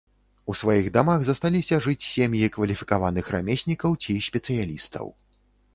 У сваіх дамах засталіся жыць сем'і кваліфікаваных рамеснікаў ці спецыялістаў.